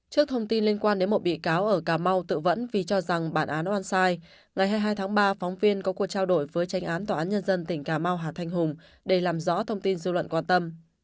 trước thông tin liên quan đến một bị cáo ở cà mau tự vẫn vì cho rằng bản án oan sai ngày hai mươi hai tháng ba phóng viên có cuộc trao đổi với tranh án tòa án nhân dân tỉnh cà mau hà thanh hùng để làm rõ thông tin dư luận quan tâm